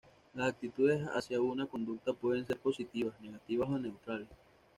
Las actitudes hacia una conducta pueden ser positivas, negativas o neutrales.